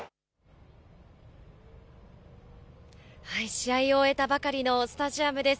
試合を終えたばかりのスタジアムです。